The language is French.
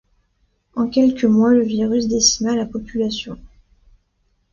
En quelques mois, le virus décima la population.